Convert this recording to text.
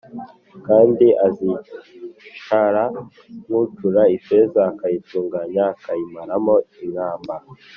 Kandi azicara nk’ucura ifeza akayitunganya akayimaramo inkamba